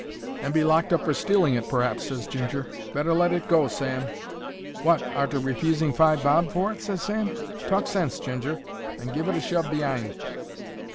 "And be locked up for stealing it, p'r'aps," ses Ginger. "Better let it go, Sam." "Wot, arter refusing five bob for it?" ses Sam. "Talk sense, Ginger, and give it a shove be'ind."